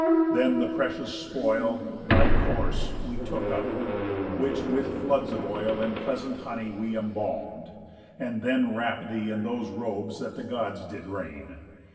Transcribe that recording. Then the precious spoil, Thy corse, we took up, which with floods of oil And pleasant honey we embalm'd, and then Wrapp'd thee in those robes that the Gods did rain.